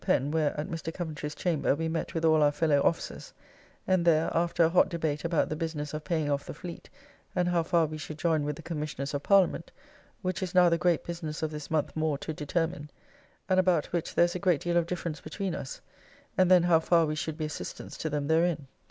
Pen, where, at Mr. Coventry's chamber, we met with all our fellow officers, and there after a hot debate about the business of paying off the Fleet, and how far we should join with the Commissioners of Parliament, which is now the great business of this month more to determine, and about which there is a great deal of difference between us, and then how far we should be assistants to them therein.